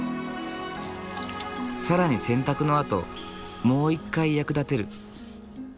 更に洗濯のあともう一回役立てる。